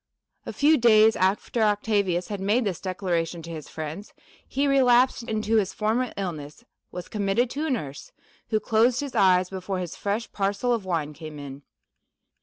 A few days after Octavius had made this declaration to his friends, he relapsed into his former illness, was committed to a nurse, who closed his eyes before his fresh parcel of wine came in.